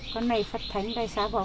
con này phật thánh đại sá bỏ con ra con